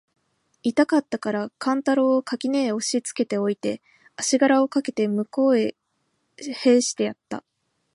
痛かつたから勘太郎を垣根へ押しつけて置いて、足搦あしがらをかけて向へ斃してやつた。